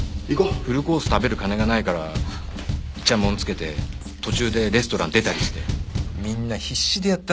フルコース食べる金がないからいちゃもんつけて途中でレストラン出たりしてみんな必死でやったのに。